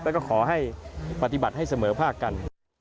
แล้วก็ขอให้ปฏิบัติให้เสมอภาคกัน